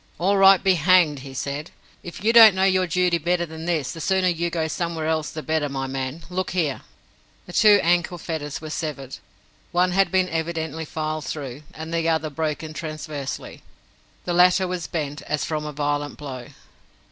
"All right be hanged," he said. "If you don't know your duty better than this, the sooner you go somewhere else the better, my man. Look here!" The two ankle fetters were severed. One had been evidently filed through, and the other broken transversely. The latter was bent, as from a violent blow.